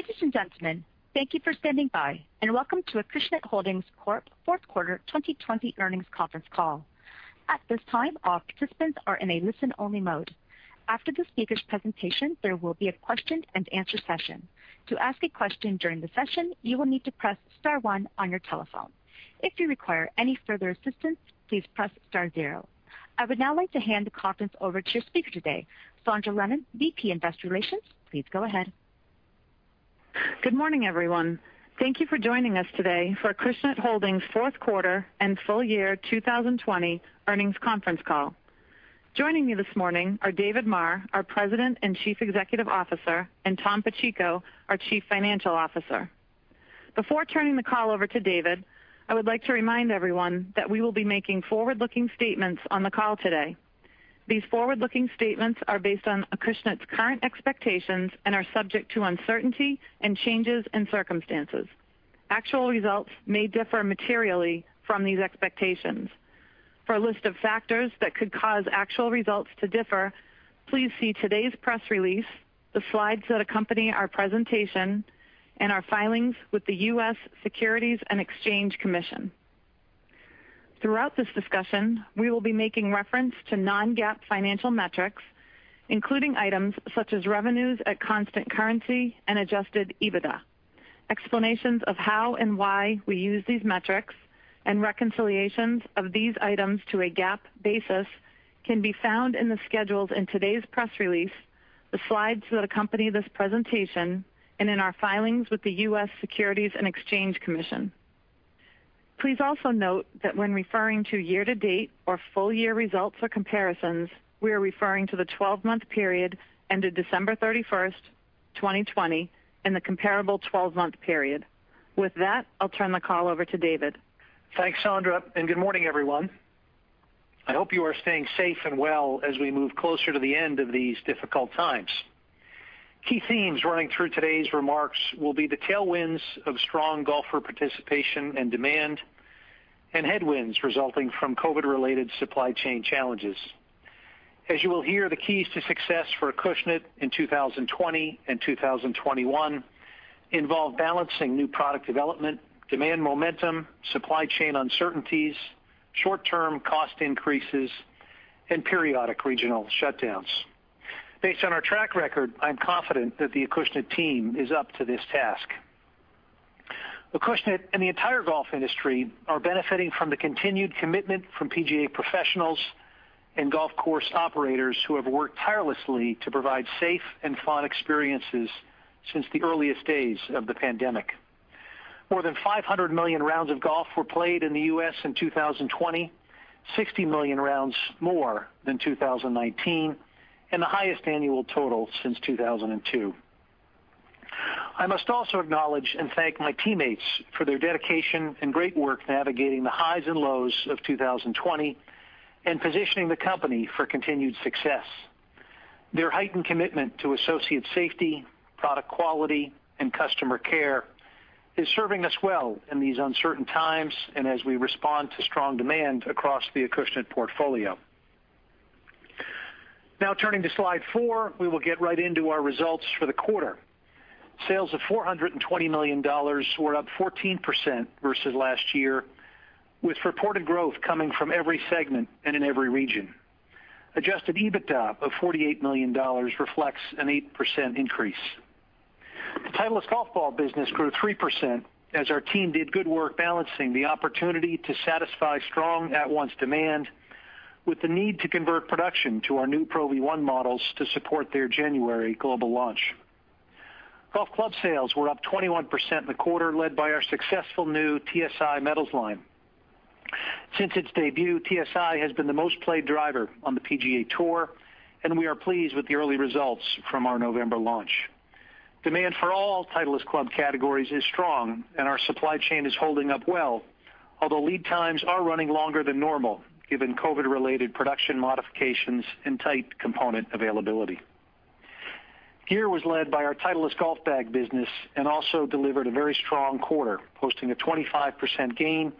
Ladies and gentlemen, thank you for standing by and welcome to Acushnet Holdings Corp. Fourth Quarter 2020 Earnings Conference Call. At this time, all participants are in a listen-only mode. After the speaker's presentation, there will be a question and answer session. To ask a question during the session, you will need to press star one on your telephone. If you require any further assistance, please press star zero. I would now like to hand the conference over to your speaker today, Sondra Lennon, VP Investor Relations. Please go ahead. Good morning, everyone. Thank you for joining us today for Acushnet Holdings fourth quarter and full year 2020 earnings conference call. Joining me this morning are David Maher, our President and Chief Executive Officer, and Tom Pacheco, our Chief Financial Officer. Before turning the call over to David, I would like to remind everyone that we will be making forward-looking statements on the call today. These forward-looking statements are based on Acushnet's current expectations and are subject to uncertainty and changes in circumstances. Actual results may differ materially from these expectations. For a list of factors that could cause actual results to differ, please see today's press release, the slides that accompany our presentation, and our filings with the U.S. Securities and Exchange Commission. Throughout this discussion, we will be making reference to non-GAAP financial metrics, including items such as revenues at constant currency and adjusted EBITDA. Explanations of how and why we use these metrics and reconciliations of these items to a GAAP basis can be found in the schedules in today's press release, the slides that accompany this presentation, and in our filings with the U.S. Securities and Exchange Commission. Please also note that when referring to year to date or full year results or comparisons, we are referring to the 12-month period ended December 31st, 2020, and the comparable 12-month period. With that, I'll turn the call over to David Maher. Thanks, Sondra, good morning, everyone. I hope you are staying safe and well as we move closer to the end of these difficult times. Key themes running through today's remarks will be the tailwinds of strong golfer participation and demand and headwinds resulting from COVID-related supply chain challenges. As you will hear, the keys to success for Acushnet in 2020 and 2021 involve balancing new product development, demand momentum, supply chain uncertainties, short-term cost increases, and periodic regional shutdowns. Based on our track record, I'm confident that the Acushnet team is up to this task. Acushnet and the entire golf industry are benefiting from the continued commitment from Professional Golfers' Association professionals and golf course operators who have worked tirelessly to provide safe and fun experiences since the earliest days of the pandemic. More than 500 million rounds of golf were played in the U.S. in 2020, 60 million rounds more than 2019, and the highest annual total since 2002. I must also acknowledge and thank my teammates for their dedication and great work navigating the highs and lows of 2020 and positioning the company for continued success. Their heightened commitment to associate safety, product quality, and customer care is serving us well in these uncertain times and as we respond to strong demand across the Acushnet portfolio. Turning to slide four, we will get right into our results for the quarter. Sales of $420 million were up 14% versus last year, with reported growth coming from every segment and in every region. Adjusted EBITDA of $48 million reflects an 8% increase. The Titleist golf ball business grew 3% as our team did good work balancing the opportunity to satisfy strong at-once demand with the need to convert production to our new Pro V1 models to support their January global launch. Golf club sales were up 21% in the quarter, led by our successful new TSi Metals line. Since its debut, TSi has been the most played driver on the PGA Tour, and we are pleased with the early results from our November launch. Demand for all Titleist club categories is strong, and our supply chain is holding up well, although lead times are running longer than normal given COVID related production modifications and tight component availability. Gear was led by our Titleist golf bag business and also delivered a very strong quarter, posting a 25% gain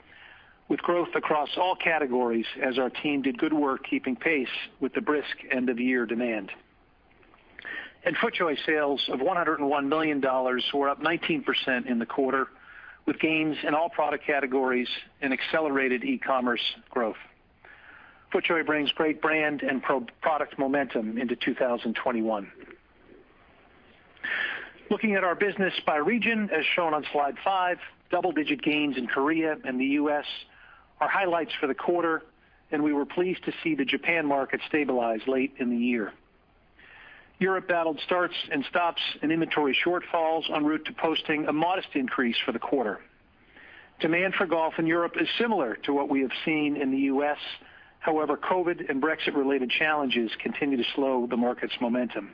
with growth across all categories as our team did good work keeping pace with the brisk end-of-year demand. FootJoy sales of $101 million were up 19% in the quarter, with gains in all product categories and accelerated e-commerce growth. FootJoy brings great brand and product momentum into 2021. Looking at our business by region, as shown on slide five, double-digit gains in Korea and the U.S. are highlights for the quarter, and we were pleased to see the Japan market stabilize late in the year. Europe battled starts and stops and inventory shortfalls en route to posting a modest increase for the quarter. Demand for golf in Europe is similar to what we have seen in the U.S., however, COVID and Brexit related challenges continue to slow the market's momentum.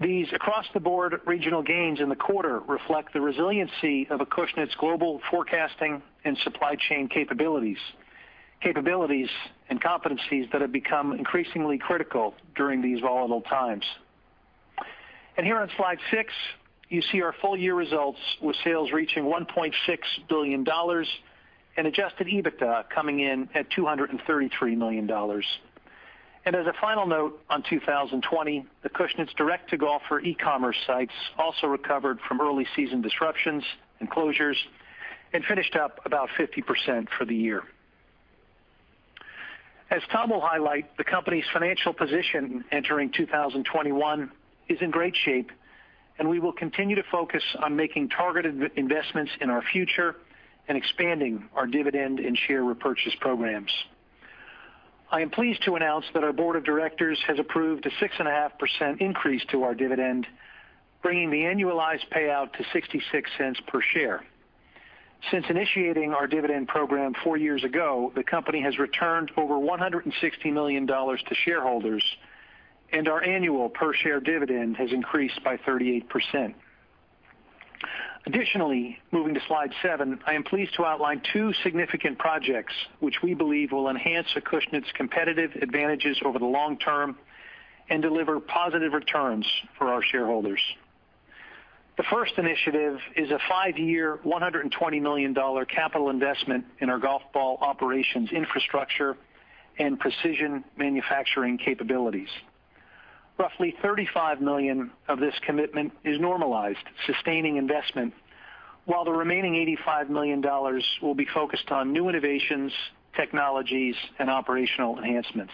These across-the-board regional gains in the quarter reflect the resiliency of Acushnet's global forecasting and supply chain capabilities and competencies that have become increasingly critical during these volatile times. Here on slide six, you see our full-year results with sales reaching $1.6 billion and adjusted EBITDA coming in at $233 million. As a final note on 2020, Acushnet's direct-to-golfer e-commerce sites also recovered from early season disruptions and closures and finished up about 50% for the year. As Tom will highlight, the company's financial position entering 2021 is in great shape, and we will continue to focus on making targeted investments in our future and expanding our dividend and share repurchase programs. I am pleased to announce that our board of directors has approved a 6.5% increase to our dividend, bringing the annualized payout to $0.66 per share. Since initiating our dividend program four years ago, the company has returned over $160 million to shareholders, and our annual per-share dividend has increased by 38%. Additionally, moving to slide seven, I am pleased to outline two significant projects which we believe will enhance Acushnet's competitive advantages over the long term and deliver positive returns for our shareholders. The first initiative is a five-year, $120 million capital investment in our golf ball operations infrastructure and precision manufacturing capabilities. Roughly $35 million of this commitment is normalized, sustaining investment, while the remaining $85 million will be focused on new innovations, technologies, and operational enhancements.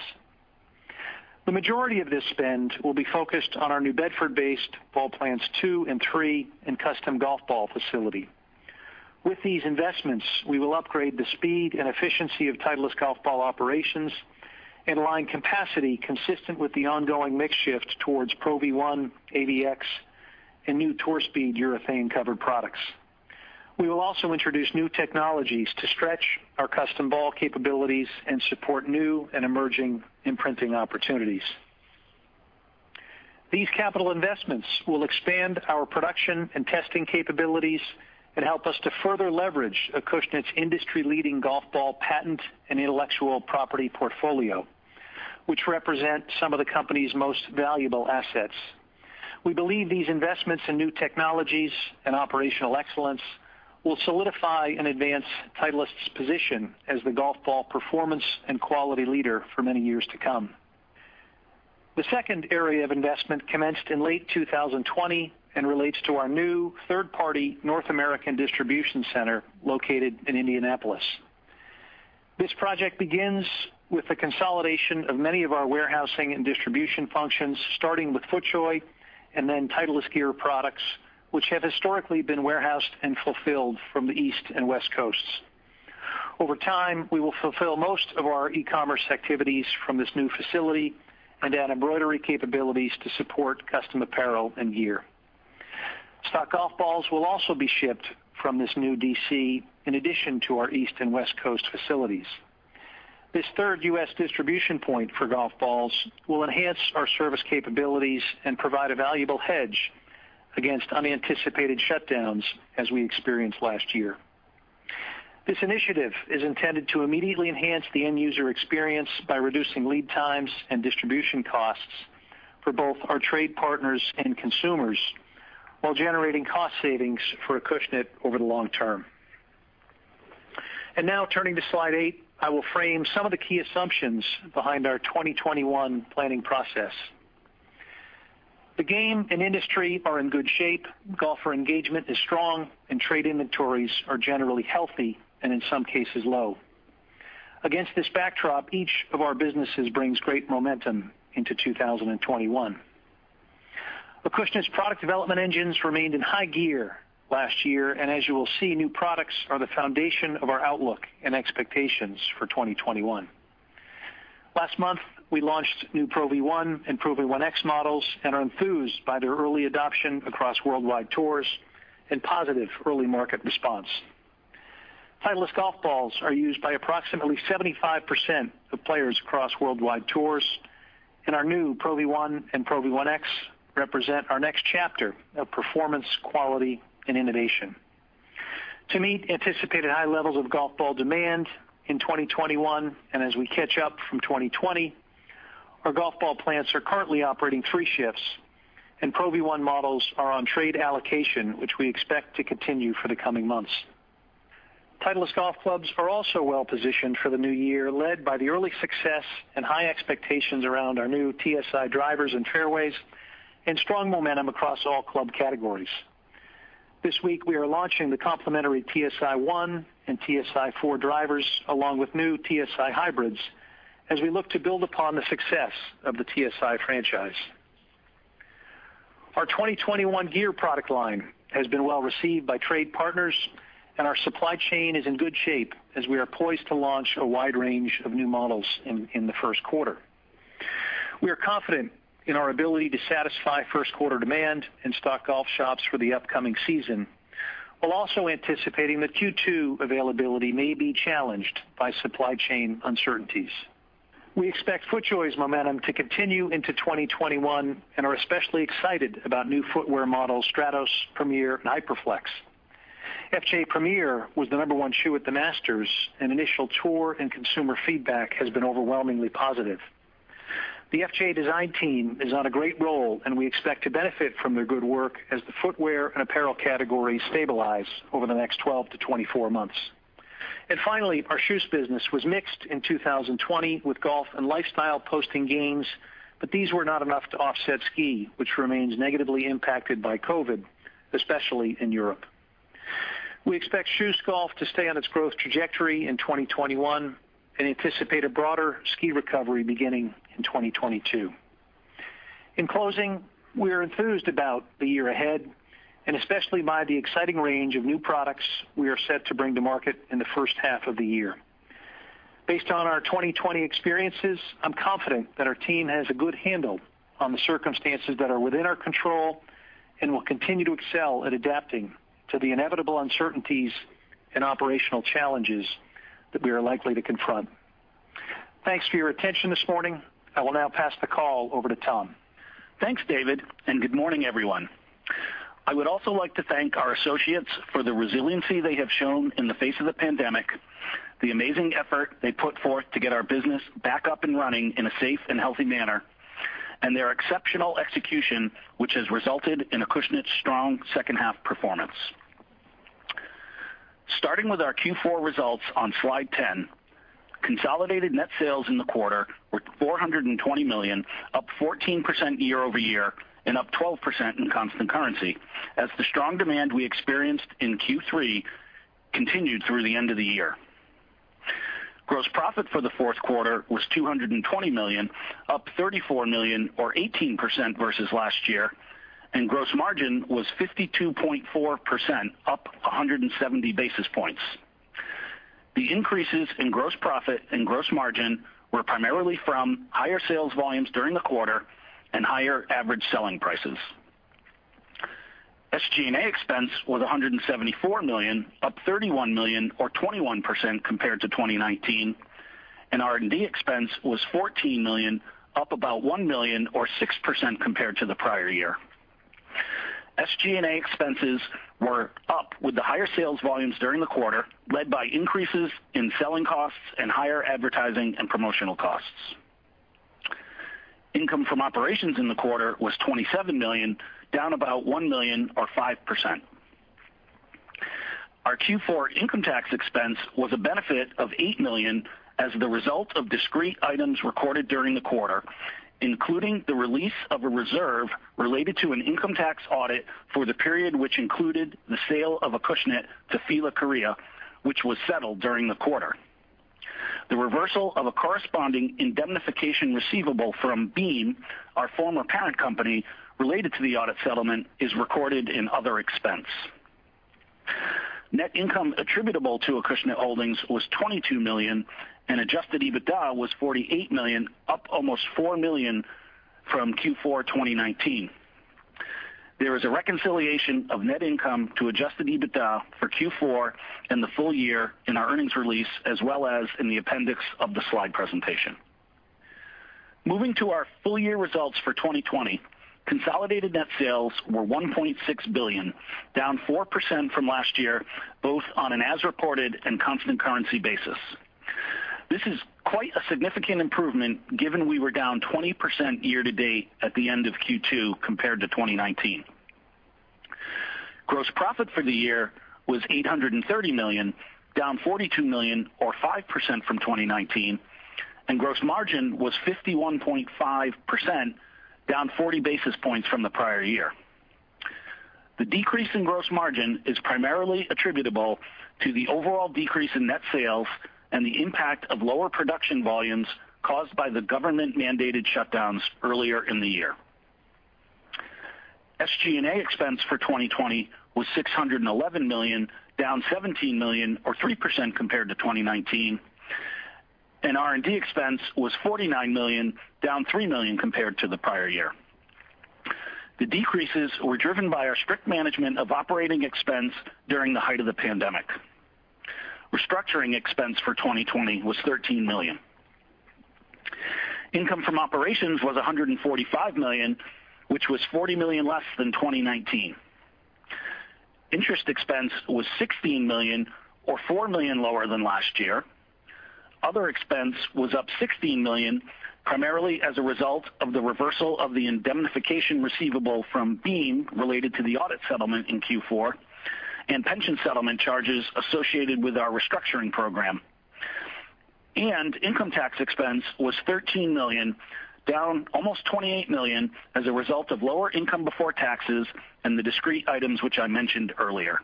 The majority of this spend will be focused on our New Bedford-based Ball Plants 2 and 3, and custom golf ball facility. With these investments, we will upgrade the speed and efficiency of Titleist golf ball operations and align capacity consistent with the ongoing mix shift towards Pro V1, Alternative Velocity and Distance, and new Tour Speed urethane-covered products. We will also introduce new technologies to stretch our custom ball capabilities and support new and emerging imprinting opportunities. These capital investments will expand our production and testing capabilities and help us to further leverage Acushnet's industry-leading golf ball patent and intellectual property portfolio, which represent some of the company's most valuable assets. We believe these investments in new technologies and operational excellence will solidify and advance Titleist's position as the golf ball performance and quality leader for many years to come. The second area of investment commenced in late 2020 and relates to our new third-party North American distribution center located in Indianapolis. This project begins with the consolidation of many of our warehousing and distribution functions, starting with FootJoy and then Titleist gear products, which have historically been warehoused and fulfilled from the East and West Coasts. Over time, we will fulfill most of our e-commerce activities from this new facility and add embroidery capabilities to support custom apparel and gear. Stock golf balls will also be shipped from this new distribution center in addition to our East and West Coast facilities. This third U.S. distribution point for golf balls will enhance our service capabilities and provide a valuable hedge against unanticipated shutdowns as we experienced last year. This initiative is intended to immediately enhance the end-user experience by reducing lead times and distribution costs for both our trade partners and consumers while generating cost savings for Acushnet over the long term. Now turning to slide eight, I will frame some of the key assumptions behind our 2021 planning process. The game and industry are in good shape, golfer engagement is strong, and trade inventories are generally healthy, and in some cases low. Against this backdrop, each of our businesses brings great momentum into 2021. Acushnet's product development engines remained in high gear last year, and as you will see, new products are the foundation of our outlook and expectations for 2021. Last month, we launched new Pro V1 and Pro V1x models and are enthused by their early adoption across worldwide tours and positive early market response. Titleist golf balls are used by approximately 75% of players across worldwide tours, and our new Pro V1 and Pro V1x represent our next chapter of performance, quality, and innovation. To meet anticipated high levels of golf ball demand in 2021 and as we catch up from 2020, our golf ball plants are currently operating three shifts, and Pro V1 models are on trade allocation, which we expect to continue for the coming months. Titleist golf clubs are also well-positioned for the new year, led by the early success and high expectations around our new TSi drivers and fairways and strong momentum across all club categories. This week, we are launching the complimentary TSi1 and TSi4 drivers, along with new TSi hybrids, as we look to build upon the success of the TSi franchise. Our 2021 gear product line has been well received by trade partners, and our supply chain is in good shape as we are poised to launch a wide range of new models in the first quarter. We are confident in our ability to satisfy first-quarter demand and stock golf shops for the upcoming season, while also anticipating that Q2 availability may be challenged by supply chain uncertainties. We expect FootJoy's momentum to continue into 2021 and are especially excited about new footwear models, Stratos, Premiere, and HyperFlex. FJ Premiere was the number one shoe at the Masters, and initial tour and consumer feedback has been overwhelmingly positive. The FootJoy design team is on a great roll. We expect to benefit from their good work as the footwear and apparel categories stabilize over the next 124 months. Finally, our shoes business was mixed in 2020 with golf and lifestyle posting gains, but these were not enough to offset ski, which remains negatively impacted by COVID, especially in Europe. We expect shoes golf to stay on its growth trajectory in 2021 and anticipate a broader ski recovery beginning in 2022. In closing, we are enthused about the year ahead, especially by the exciting range of new products we are set to bring to market in the first half of the year. Based on our 2020 experiences, I'm confident that our team has a good handle on the circumstances that are within our control and will continue to excel at adapting to the inevitable uncertainties and operational challenges that we are likely to confront. Thanks for your attention this morning. I will now pass the call over to Tom Pacheco. Thanks, David, good morning, everyone. I would also like to thank our associates for the resiliency they have shown in the face of the pandemic, the amazing effort they put forth to get our business back up and running in a safe and healthy manner, and their exceptional execution, which has resulted in Acushnet's strong second half performance. Starting with our Q4 results on slide 10, consolidated net sales in the quarter were $420 million, up 14% year-over-year and up 12% in constant currency as the strong demand we experienced in Q3 continued through the end of the year. Gross profit for the fourth quarter was $220 million, up $34 million or 18% versus last year, and gross margin was 52.4%, up 170 basis points. The increases in gross profit and gross margin were primarily from higher sales volumes during the quarter and higher average selling prices. SG&A expense was $174 million, up $31 million or 21% compared to 2019, and R&D expense was $14 million, up about $1 million or 6% compared to the prior year. SG&A expenses were up with the higher sales volumes during the quarter, led by increases in selling costs and higher advertising and promotional costs. Income from operations in the quarter was $27 million, down about $1 million or 5%. Our Q4 income tax expense was a benefit of $8 million as the result of discrete items recorded during the quarter, including the release of a reserve related to an income tax audit for the period, which included the sale of Acushnet to Fila Korea, which was settled during the quarter. The reversal of a corresponding indemnification receivable from Beam, our former parent company, related to the audit settlement is recorded in other expense. Net income attributable to Acushnet Holdings was $22 million and adjusted EBITDA was $48 million, up almost $4 million from Q4 2019. There is a reconciliation of net income to adjusted EBITDA for Q4 and the full year in our earnings release, as well as in the appendix of the slide presentation. Moving to our full year results for 2020, consolidated net sales were $1.6 billion, down 4% from last year, both on an as reported and constant currency basis. This is quite a significant improvement given we were down 20% year to date at the end of Q2 compared to 2019. Gross profit for the year was $830 million, down $42 million or 5% from 2019, and gross margin was 51.5%, down 40 basis points from the prior year. The decrease in gross margin is primarily attributable to the overall decrease in net sales and the impact of lower production volumes caused by the government mandated shutdowns earlier in the year. SG&A expense for 2020 was $611 million, down $17 million or 3% compared to 2019, and R&D expense was $49 million, down $3 million compared to the prior year. The decreases were driven by our strict management of operating expense during the height of the pandemic. Restructuring expense for 2020 was $13 million. Income from operations was $145 million, which was $40 million less than 2019. Interest expense was $16 million or $4 million lower than last year. Other expense was up $16 million, primarily as a result of the reversal of the indemnification receivable from Beam Inc. related to the audit settlement in Q4 and pension settlement charges associated with our restructuring program. Income tax expense was $13 million, down almost $28 million as a result of lower income before taxes and the discrete items which I mentioned earlier.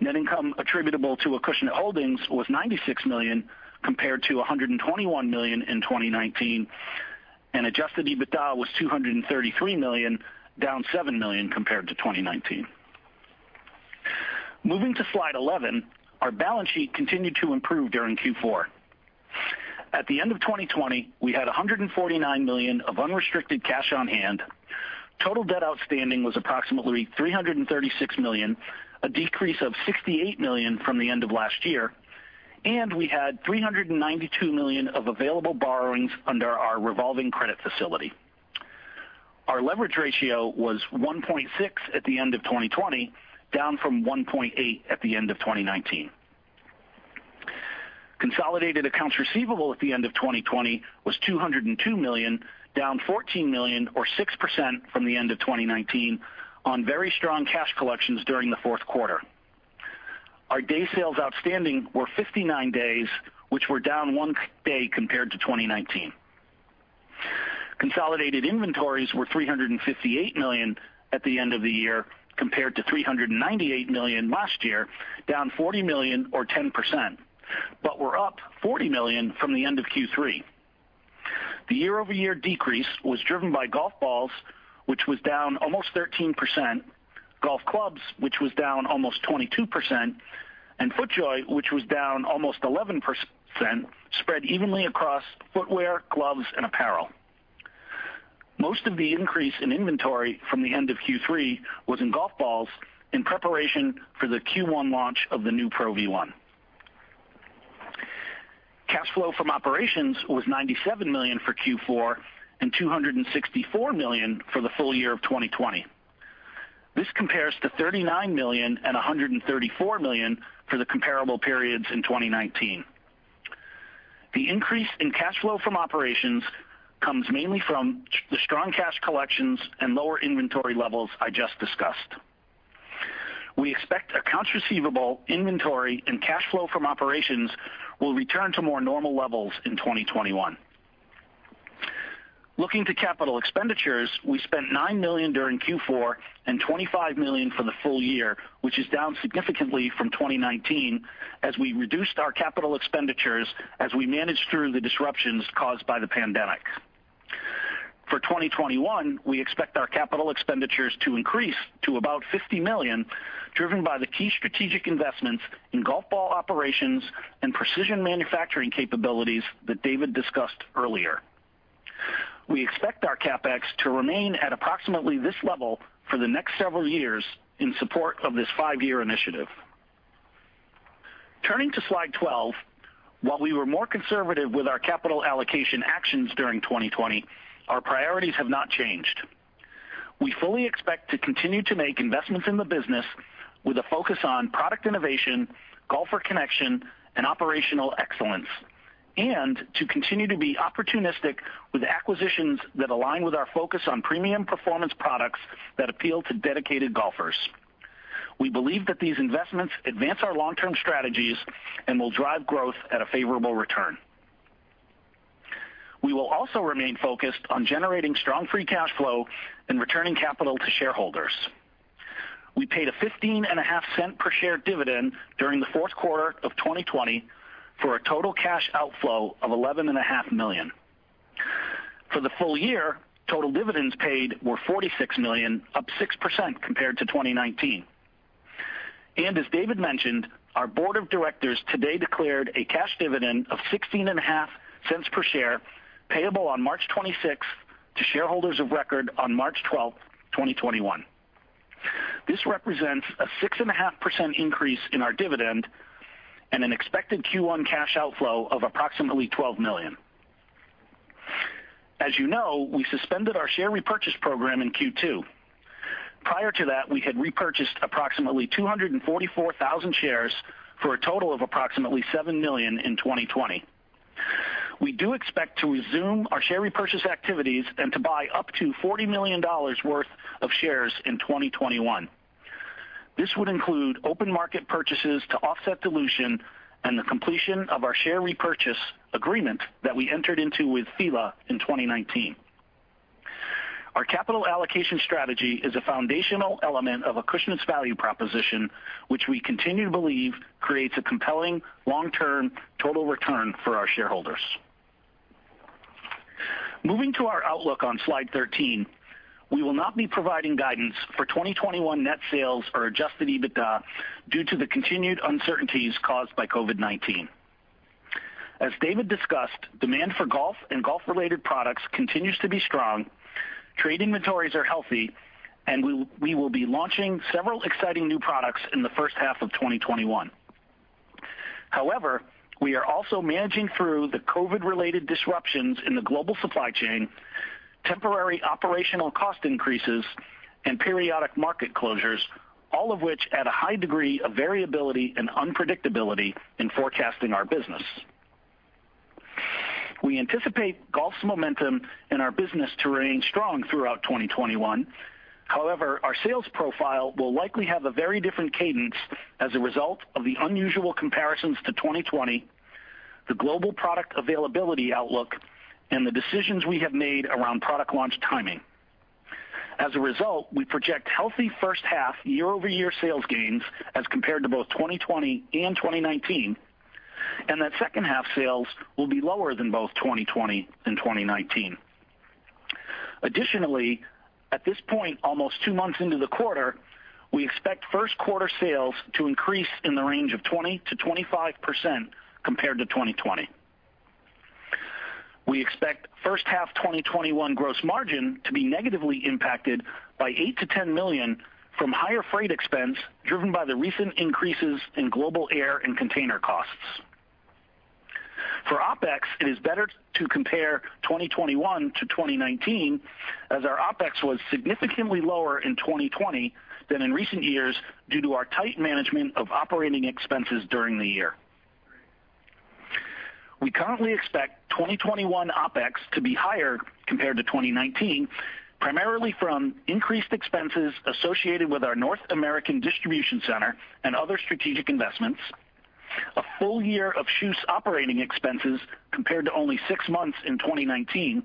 Net income attributable to Acushnet Holdings was $96 million, compared to $121 million in 2019, and adjusted EBITDA was $233 million, down $7 million compared to 2019. Moving to slide 11, our balance sheet continued to improve during Q4. At the end of 2020, we had $149 million of unrestricted cash on hand. Total debt outstanding was approximately $336 million, a decrease of $68 million from the end of last year, and we had $392 million of available borrowings under our revolving credit facility. Our leverage ratio was 1.6x at the end of 2020, down from 1.8x at the end of 2019. Consolidated accounts receivable at the end of 2020 was $202 million, down $14 million or 6% from the end of 2019 on very strong cash collections during the fourth quarter. Our day sales outstanding were 59 days, which were down one day compared to 2019. Consolidated inventories were $358 million at the end of the year compared to $398 million last year, down $40 million or 10%, but were up $40 million from the end of Q3. The year-over-year decrease was driven by golf balls, which was down almost 13%, golf clubs, which was down almost 22%, and FootJoy, which was down almost 11%, spread evenly across footwear, gloves, and apparel. Most of the increase in inventory from the end of Q3 was in golf balls in preparation for the Q1 launch of the new Pro V1. Cash flow from operations was $97 million for Q4 and $264 million for the full year of 2020. This compares to $39 million and $134 million for the comparable periods in 2019. The increase in cash flow from operations comes mainly from the strong cash collections and lower inventory levels I just discussed. We expect accounts receivable, inventory, and cash flow from operations will return to more normal levels in 2021. Looking to capital expenditures, we spent $9 million during Q4 and $25 million for the full year, which is down significantly from 2019 as we reduced our capital expenditures as we managed through the disruptions caused by the pandemic. For 2021, we expect our capital expenditures to increase to about $50 million, driven by the key strategic investments in golf ball operations and precision manufacturing capabilities that David discussed earlier. We expect our CapEx to remain at approximately this level for the next several years in support of this five-year initiative. Turning to slide 12, while we were more conservative with our capital allocation actions during 2020, our priorities have not changed. We fully expect to continue to make investments in the business with a focus on product innovation, golfer connection, and operational excellence, and to continue to be opportunistic with acquisitions that align with our focus on premium performance products that appeal to dedicated golfers. We believe that these investments advance our long-term strategies and will drive growth at a favorable return. We will also remain focused on generating strong free cash flow and returning capital to shareholders. We paid a $0.155 per share dividend during the fourth quarter of 2020 for a total cash outflow of $11.5 million. For the full year, total dividends paid were $46 million, up 6% compared to 2019. As David mentioned, our board of directors today declared a cash dividend of $0.165 per share payable on March 26th to shareholders of record on March 12th, 2021. This represents a 6.5% increase in our dividend and an expected Q1 cash outflow of approximately $12 million. As you know, we suspended our share repurchase program in Q2. Prior to that, we had repurchased approximately 244,000 shares for a total of approximately $7 million in 2020. We do expect to resume our share repurchase activities and to buy up to $40 million worth of shares in 2021. This would include open market purchases to offset dilution and the completion of our share repurchase agreement that we entered into with Fila in 2019. Our capital allocation strategy is a foundational element of Acushnet's value proposition, which we continue to believe creates a compelling long-term total return for our shareholders. Moving to our outlook on slide 13, we will not be providing guidance for 2021 net sales or adjusted EBITDA due to the continued uncertainties caused by COVID-19. As David discussed, demand for golf and golf-related products continues to be strong, trade inventories are healthy, and we will be launching several exciting new products in the first half of 2021. We are also managing through the COVID-related disruptions in the global supply chain, temporary operational cost increases, and periodic market closures, all of which add a high degree of variability and unpredictability in forecasting our business. We anticipate golf's momentum and our business to remain strong throughout 2021. However, our sales profile will likely have a very different cadence as a result of the unusual comparisons to 2020, the global product availability outlook, and the decisions we have made around product launch timing. As a result, we project healthy first half year-over-year sales gains as compared to both 2020 and 2019, and that second half sales will be lower than both 2020 and 2019. Additionally, at this point, almost two months into the quarter, we expect first quarter sales to increase in the range of 20%-25% compared to 2020. We expect first half 2021 gross margin to be negatively impacted by $8 million-$10 million from higher freight expense driven by the recent increases in global air and container costs. OpEx, it is better to compare 2021 to 2019, as our OpEx was significantly lower in 2020 than in recent years due to our tight management of operating expenses during the year. We currently expect 2021 OpEx to be higher compared to 2019, primarily from increased expenses associated with our North American distribution center and other strategic investments, a full year of KJUS's operating expenses compared to only six months in 2019,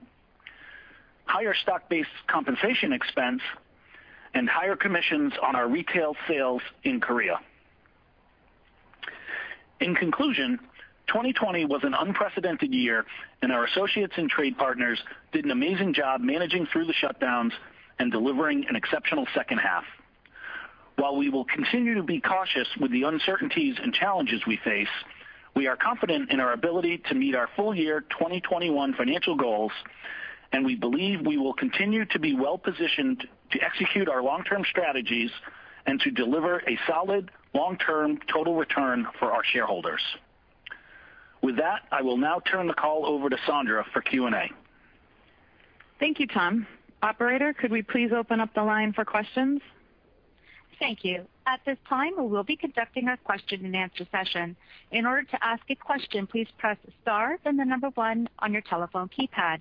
higher stock-based compensation expense, and higher commissions on our retail sales in Korea. In conclusion, 2020 was an unprecedented year. Our associates and trade partners did an amazing job managing through the shutdowns and delivering an exceptional second half. While we will continue to be cautious with the uncertainties and challenges we face, we are confident in our ability to meet our full year 2021 financial goals, and we believe we will continue to be well-positioned to execute our long-term strategies and to deliver a solid long-term total return for our shareholders. With that, I will now turn the call over to Sondra for Q&A. Thank you, Tom. Operator, could we please open up the line for questions? Thank you. At this time, we will be conducting a question and answer session. In order to ask a question, please press star then the number one on your telephone keypad.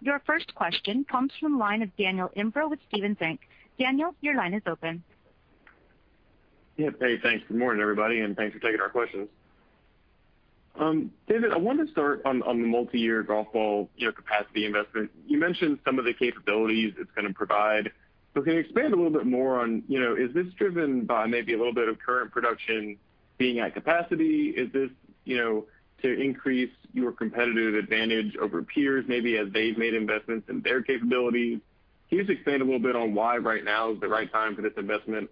Your first question comes from the line of Daniel Imbro with Stephens Inc. Daniel, your line is open. Hey, thanks. Good morning, everybody, and thanks for taking our questions. David, I wanted to start on the multi-year golf ball capacity investment. You mentioned some of the capabilities it's going to provide. Can you expand a little bit more on, is this driven by maybe a little bit of current production being at capacity? Is this to increase your competitive advantage over peers, maybe as they've made investments in their capabilities? Can you just expand a little bit on why right now is the right time for this investment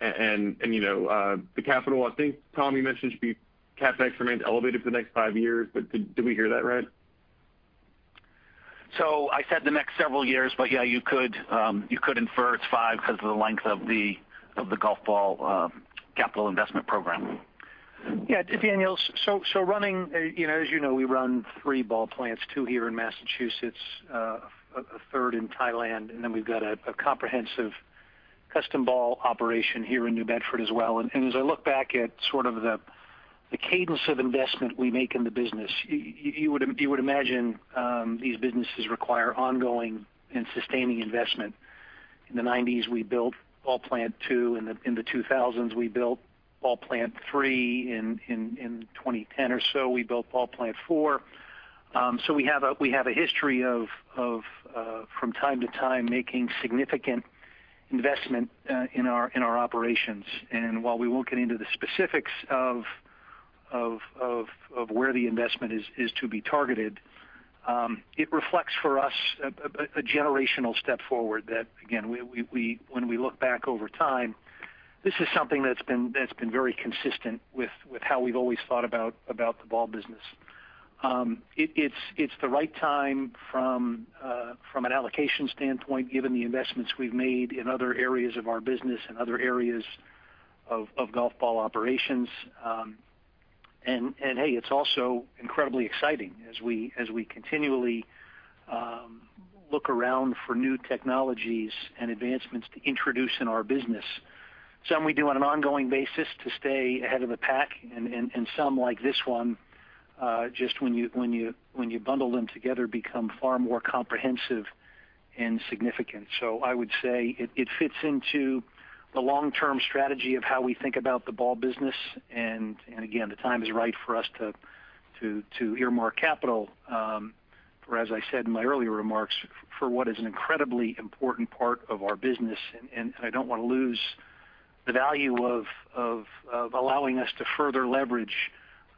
and the capital? I think, Tom, you mentioned CapEx remains elevated for the next five years, but did we hear that right? I said the next several years, but yeah, you could infer it's five because of the length of the golf ball capital investment program. Yeah. Daniel, as you know, we run three ball plants, two here in Massachusetts, a third in Thailand, and then we've got a comprehensive custom ball operation here in New Bedford as well. As I look back at sort of the cadence of investment we make in the business, you would imagine these businesses require ongoing and sustaining investment. In the 1990s, we built ball plant two, in the 2000s we built ball plant three. In 2010 or so, we built ball plant four. We have a history of, from time to time, making significant investment in our operations. While we won't get into the specifics of where the investment is to be targeted, it reflects for us a generational step forward that, again, when we look back over time, this is something that's been very consistent with how we've always thought about the ball business. It's the right time from an allocation standpoint, given the investments we've made in other areas of our business and other areas of golf ball operations. Hey, it's also incredibly exciting as we continually look around for new technologies and advancements to introduce in our business. Some we do on an ongoing basis to stay ahead of the pack, and some, like this one, just when you bundle them together, become far more comprehensive and significant. I would say it fits into the long-term strategy of how we think about the ball business. Again, the time is right for us to earmark capital, for, as I said in my earlier remarks, for what is an incredibly important part of our business. I don't want to lose the value of allowing us to further leverage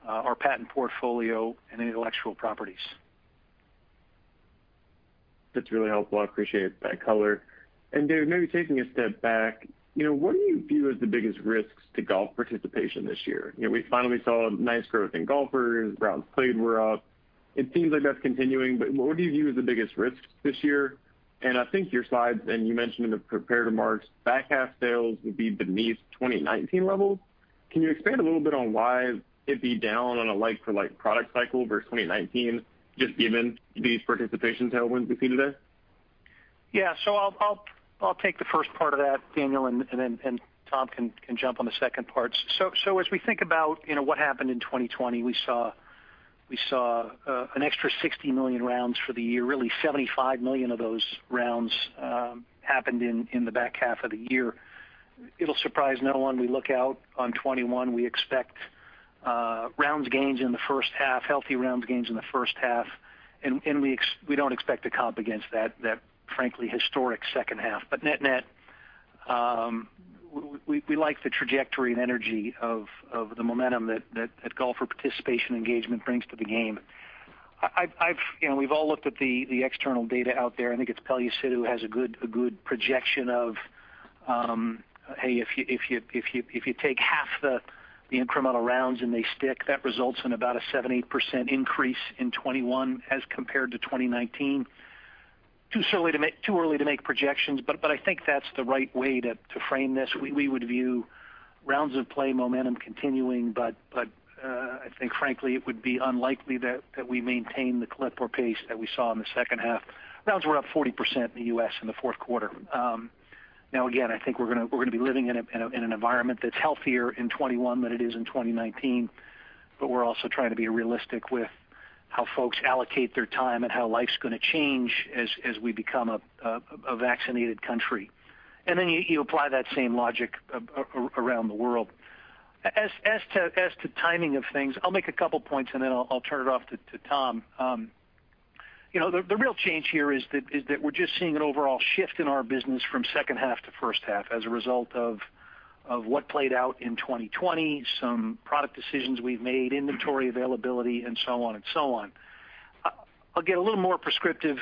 our patent portfolio and intellectual properties. That's really helpful. I appreciate that color. David, maybe taking a step back, what do you view as the biggest risks to golf participation this year? We finally saw nice growth in golfers, rounds played were up. It seems like that's continuing, but what do you view as the biggest risks this year? I think your slides, and you mentioned in the prepared remarks, back half sales would be beneath 2019 levels. Can you expand a little bit on why it'd be down on a like-for-like product cycle versus 2019, just given these participation tailwinds we see today? Yeah. I'll take the first part of that, Daniel, and Tom can jump on the second part. As we think about what happened in 2020, we saw an extra 60 million rounds for the year. Really, 75 million of those rounds happened in the back half of the year. It'll surprise no one, we look out on 2021, we expect healthy rounds gains in the first half, and we don't expect to comp against that, frankly, historic second half. Net-net, we like the trajectory and energy of the momentum that golfer participation engagement brings to the game. We've all looked at the external data out there. I think it's Pellucid who has a good projection of, hey, if you take half the incremental rounds and they stick, that results in about a 78% increase in 2021 as compared to 2019. Too early to make projections, I think that's the right way to frame this. We would view rounds of play momentum continuing, I think frankly, it would be unlikely that we maintain the clip or pace that we saw in the second half. Rounds were up 40% in the U.S. in the fourth quarter. Again, I think we're going to be living in an environment that's healthier in 2021 than it is in 2019, we're also trying to be realistic with how folks allocate their time and how life's going to change as we become a vaccinated country. You apply that same logic around the world. As to timing of things, I'll make a couple points and then I'll turn it off to Tom. The real change here is that we're just seeing an overall shift in our business from second half to first half as a result of what played out in 2020, some product decisions we've made, inventory availability, and so on. I'll get a little more prescriptive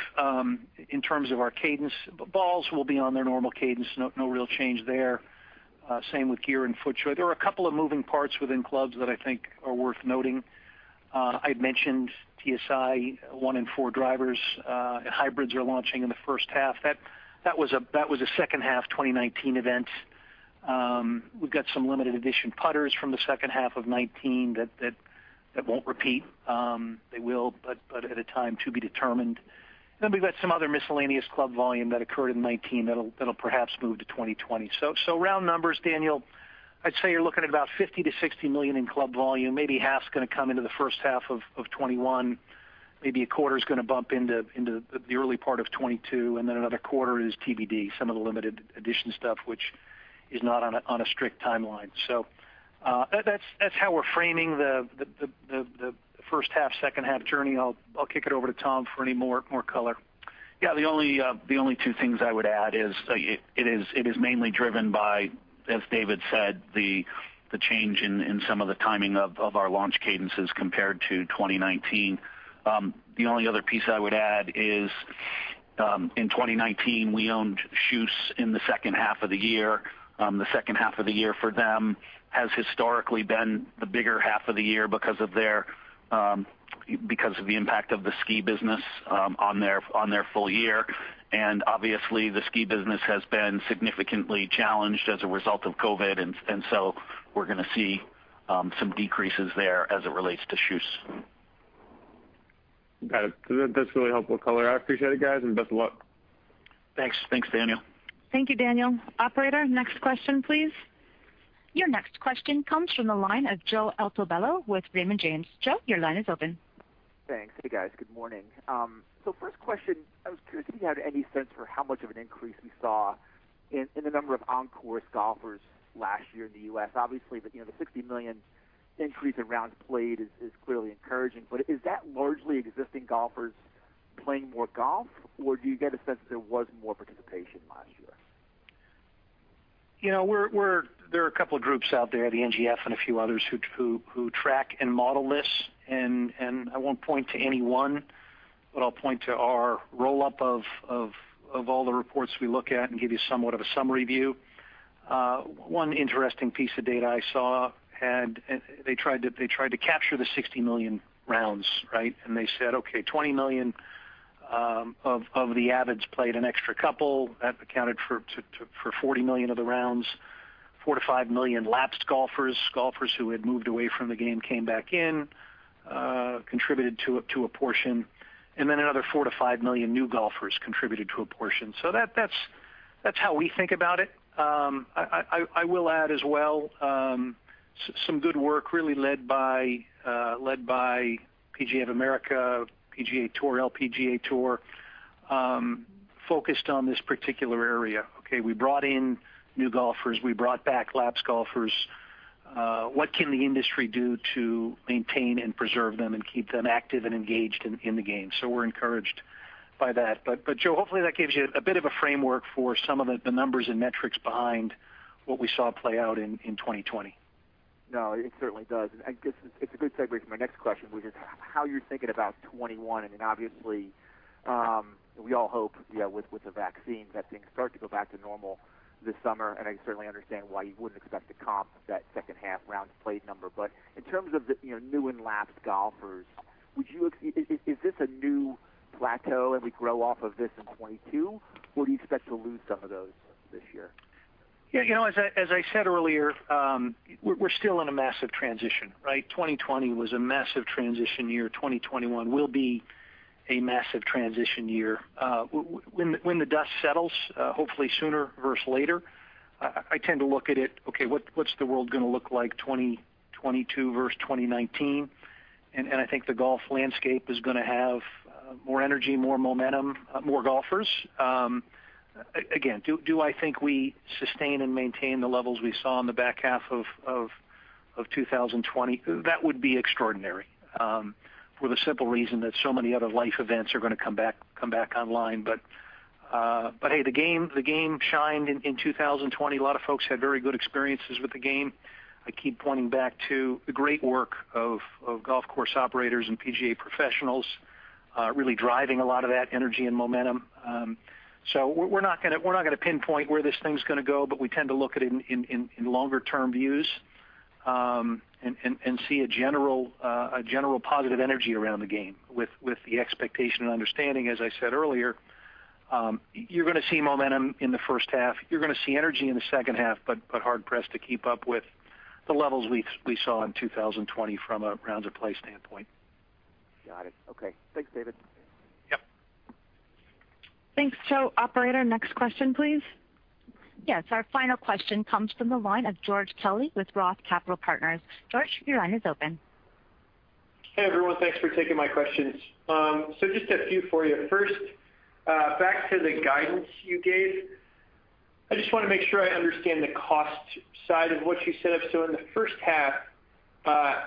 in terms of our cadence. Balls will be on their normal cadence, no real change there. Same with gear and footwear. There are a couple of moving parts within clubs that I think are worth noting. I'd mentioned TSi, one in four drivers, hybrids are launching in the first half. That was a second half 2019 event. We've got some limited edition putters from the second half of 2019 that won't repeat. They will, but at a time to be determined. We've got some other miscellaneous club volume that occurred in 2019, that'll perhaps move to 2020. Round numbers, Daniel, I'd say you're looking at about $50 million-$60 million in club volume. Maybe half's going to come into the first half of 2021. Maybe a quarter's going to bump into the early part of 2022, another quarter is to be determined, some of the limited edition stuff, which is not on a strict timeline. That's how we're framing the first half, second half journey. I'll kick it over to Tom for any more color. The only two things I would add is, it is mainly driven by, as David said, the change in some of the timing of our launch cadences compared to 2019. The only other piece I would add is, in 2019, we owned KJUS in the second half of the year. The second half of the year for them has historically been the bigger half of the year because of the impact of the ski business on their full year, and obviously, the ski business has been significantly challenged as a result of COVID, and so we're going to see some decreases there as it relates to KJUS. Got it. That's really helpful color. I appreciate it, guys, and best of luck. Thanks, Daniel. Thank you, Daniel. Operator, next question, please. Your next question comes from the line of Joe Altobello with Raymond James. Joe, your line is open. Thanks. Hey, guys. Good morning. First question, I was curious if you had any sense for how much of an increase you saw in the number of on-course golfers last year in the U.S. Obviously, the 60 million increase in rounds played is clearly encouraging, is that largely existing golfers playing more golf, or do you get a sense that there was more participation last year? There are a couple of groups out there, the National Golf Foundation and a few others who track and model this. I won't point to any one, but I'll point to our roll-up of all the reports we look at and give you somewhat of a summary view. One interesting piece of data I saw, they tried to capture the 60 million rounds, right? They said, "Okay, 20 million of the avids played an extra couple." That accounted for 40 million of the rounds. 4 million-5 million lapsed golfers who had moved away from the game, came back in, contributed to a portion. Another 4 million-5 million new golfers contributed to a portion. That's how we think about it. I will add as well, some good work really led by PGA of America, PGA Tour, LPGA Tour focused on this particular area. Okay. We brought in new golfers. We brought back lapsed golfers. What can the industry do to maintain and preserve them and keep them active and engaged in the game? We're encouraged by that. Joe, hopefully, that gives you a bit of a framework for some of the numbers and metrics behind what we saw play out in 2020. No, it certainly does, and it's a good segue to my next question, which is how you're thinking about 2021, and then obviously, we all hope, yeah, with the vaccine, that things start to go back to normal this summer, and I certainly understand why you wouldn't expect to comp that second half rounds played number. In terms of the new and lapsed golfers, is this a new plateau and we grow off of this in 2022, or do you expect to lose some of those this year? As I said earlier, we're still in a massive transition, right? 2020 was a massive transition year. 2021 will be a massive transition year. When the dust settles, hopefully sooner versus later, I tend to look at it, okay, what's the world going to look like 2022 versus 2019? I think the golf landscape is going to have more energy, more momentum, more golfers. Again, do I think we sustain and maintain the levels we saw in the back half of 2020? That would be extraordinary for the simple reason that so many other life events are going to come back online. But hey, the game shined in 2020. A lot of folks had very good experiences with the game. I keep pointing back to the great work of golf course operators and PGA professionals really driving a lot of that energy and momentum. We're not going to pinpoint where this thing's going to go, but we tend to look at it in longer term views, and see a general positive energy around the game with the expectation and understanding, as I said earlier, you're going to see momentum in the first half. You're going to see energy in the second half, but hard pressed to keep up with the levels we saw in 2020 from a rounds of play standpoint. Got it. Okay. Thanks, David. Yep. Thanks, Joe. Operator, next question, please. Yes, our final question comes from the line of George Kelly with Roth Capital Partners. George, your line is open. Hey, everyone. Thanks for taking my questions. Just a few for you. First, back to the guidance you gave. I just want to make sure I understand the cost side of what you said. In the first half,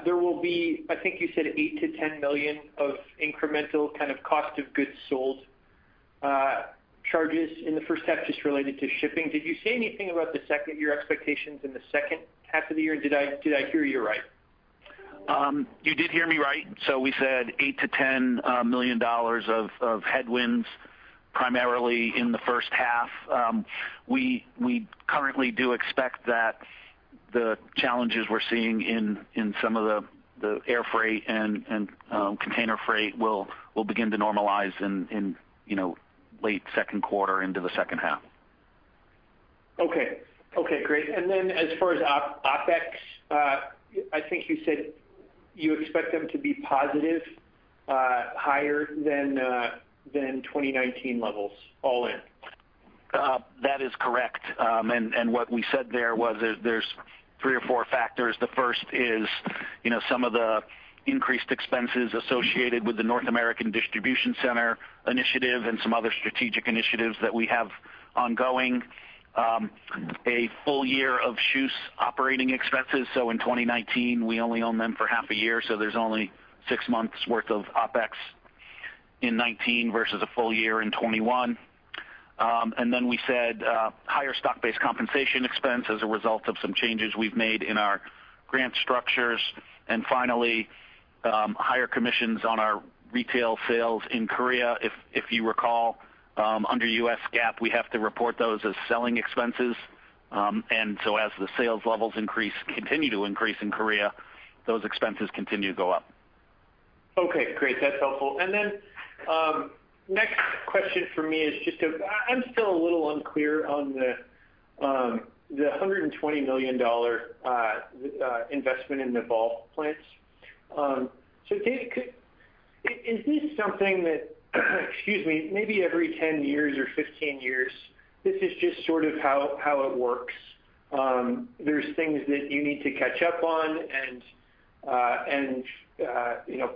there will be, I think you said $8 million-$10 million of incremental kind of cost of goods sold charges in the first half just related to shipping. Did you say anything about your expectations in the second half of the year, and did I hear you right? You did hear me right. We said $8 million-$10 million of headwinds, primarily in the first half. We currently do expect that the challenges we're seeing in some of the air freight and container freight will begin to normalize in late second quarter into the second half. Okay. Great. As far as OpEx, I think you said you expect them to be positive, higher than 2019 levels all in. That is correct. What we said there was there's three or four factors. The first is some of the increased expenses associated with the North American distribution center initiative and some other strategic initiatives that we have ongoing. A full year of KJUS' operating expenses, in 2019, we only owned them for half a year, there's only six months worth of OpEx in 2019 versus a full year in 2021. We said higher stock-based compensation expense as a result of some changes we've made in our grant structures. Finally, higher commissions on our retail sales in Korea. If you recall, under US GAAP, we have to report those as selling expenses, as the sales levels continue to increase in Korea, those expenses continue to go up. Okay, great. That's helpful. Next question for me is just I'm still a little unclear on the $120 million investment in the ball plants. David, is this something that, excuse me, maybe every 10 years or 15 years, this is just sort of how it works? There's things that you need to catch up on and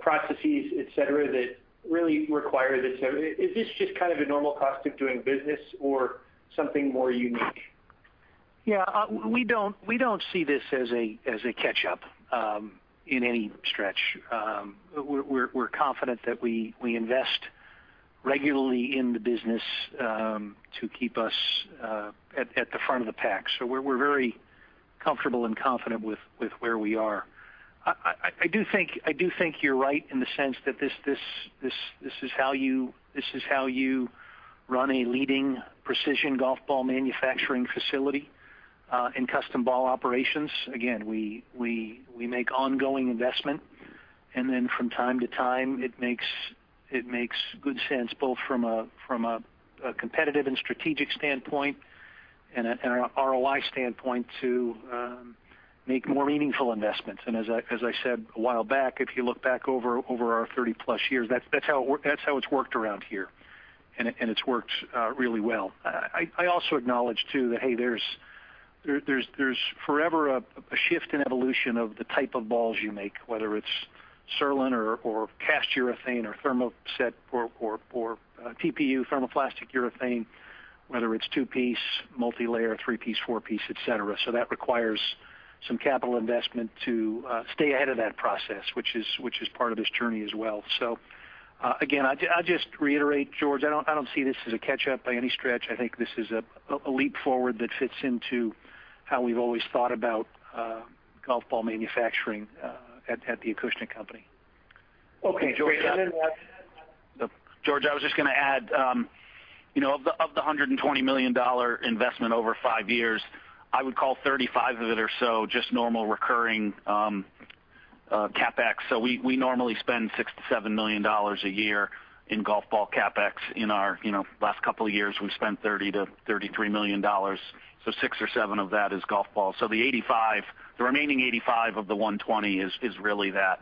processes, et cetera, that really require this. Is this just kind of a normal cost of doing business or something more unique? Yeah. We don't see this as a catch up in any stretch. We're confident that we invest regularly in the business to keep us at the front of the pack. We're very comfortable and confident with where we are. I do think you're right in the sense that this is how you run a leading precision golf ball manufacturing facility in custom ball operations. Again, we make ongoing investment, and then from time to time, it makes good sense both from a competitive and strategic standpoint and an ROI standpoint to make more meaningful investments. As I said a while back, if you look back over our 30+ years, that's how it's worked around here, and it's worked really well. I also acknowledge too that, hey, there's forever a shift in evolution of the type of balls you make, whether it's Surlyn or cast urethane or thermoset or TPU, thermoplastic urethane, whether it's two-piece, multilayer, three-piece, four-piece, et cetera. That requires some capital investment to stay ahead of that process, which is part of this journey as well. Again, I'll just reiterate, George, I don't see this as a catch-up by any stretch. I think this is a leap forward that fits into how we've always thought about golf ball manufacturing at the Acushnet company. Okay, great. George, I was just going to add of the $120 million investment over five years, I would call 35 of it or so just normal recurring CapEx. We normally spend $6 million-$7 million a year in golf ball CapEx. In our last couple of years, we've spent $30 million-$33 million, so six or seven of that is golf balls. The remaining $85 million of the $120 million is really that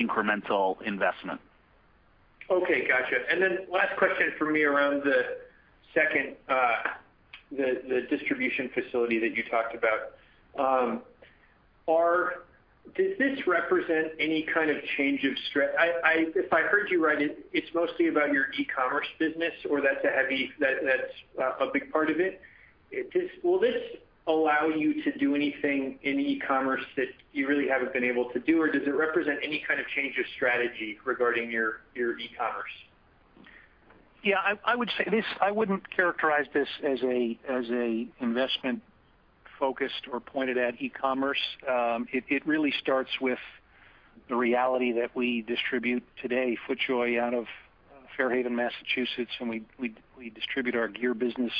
incremental investment. Okay, got you. Last question from me around the second, the distribution facility that you talked about. If I heard you right, it's mostly about your e-commerce business, or that's a big part of it. Will this allow you to do anything in e-commerce that you really haven't been able to do, or does it represent any kind of change of strategy regarding your e-commerce? Yeah, I wouldn't characterize this as an investment focused or pointed at e-commerce. It really starts with the reality that we distribute today, FootJoy out of Fairhaven, Massachusetts, and we distribute our gear business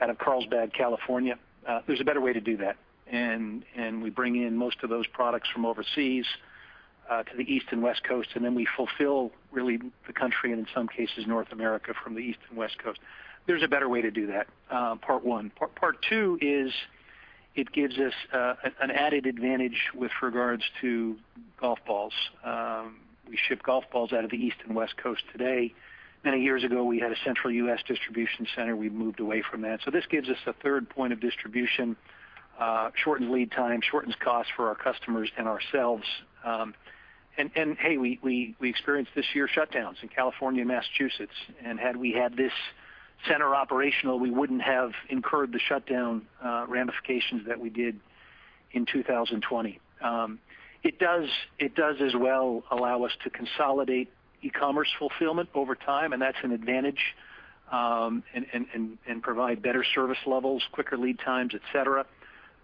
out of Carlsbad, California. There's a better way to do that. We bring in most of those products from overseas to the East and West Coast, and then we fulfill really the country, and in some cases North America, from the East and West Coast. There's a better way to do that, part one. Part two is it gives us an added advantage with regards to golf balls. We ship golf balls out of the East and West Coast today. Many years ago, we had a central U.S. distribution center. We've moved away from that. This gives us a third point of distribution, shortens lead time, shortens cost for our customers and ourselves. Hey, we experienced this year shutdowns in California and Massachusetts, and had we had this center operational, we wouldn't have incurred the shutdown ramifications that we did in 2020. It does as well allow us to consolidate e-commerce fulfillment over time, and that's an advantage, and provide better service levels, quicker lead times, et cetera.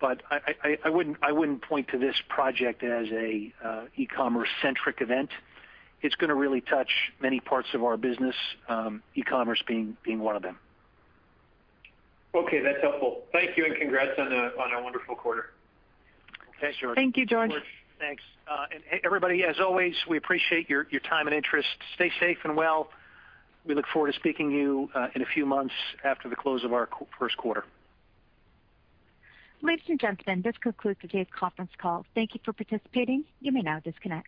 I wouldn't point to this project as an e-commerce centric event. It's going to really touch many parts of our business, e-commerce being one of them. Okay, that's helpful. Thank you. Congrats on a wonderful quarter. Thanks, George. Thank you, George. George, thanks. Hey, everybody, as always, we appreciate your time and interest. Stay safe and well. We look forward to speaking to you in a few months after the close of our first quarter. Ladies and gentlemen, this concludes today's conference call. Thank you for participating. You may now disconnect.